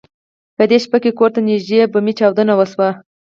په دې شپه کور ته نږدې بمي چاودنه وشوه.